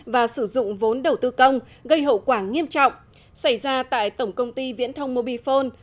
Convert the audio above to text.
và sử dụng vốn đầu tư công gây hậu quả nghiêm trọng xảy ra tại tổng công ty viễn thông mobifone